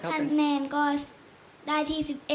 คะแนนก็ได้ที่๑๑